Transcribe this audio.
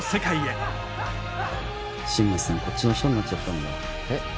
こっちの人になっちゃったんだえっ？